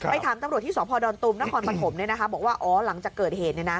ถามตำรวจที่สพดอนตุมนครปฐมบอกว่าอ๋อหลังจากเกิดเหตุ